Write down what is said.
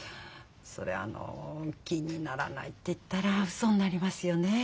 それあの気にならないって言ったらウソになりますよねえ。